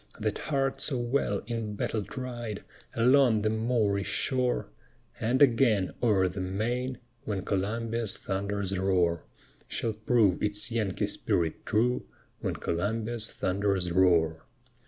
That heart so well in battle tried, Along the Moorish shore, And again o'er the main, When Columbia's thunders roar, Shall prove its Yankee spirit true, When Columbia's thunders roar.